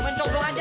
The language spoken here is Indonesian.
mencong dong aja